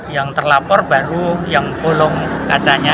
yang terlapor baru yang bolong katanya